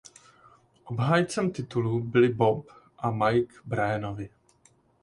Obhájcem titulu byli Bob a Mike Bryanovi.